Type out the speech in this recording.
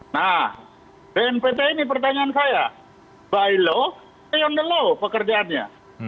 nah bnpt ini pertanyaan saya by lawy on the law pekerjaannya